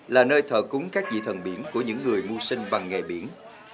là nơi thợ cúng các dị thần biển của những người mua sinh bằng nghề biển